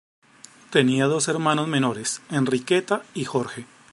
Tenía dos hermanos menores, Enriqueta y Jorge.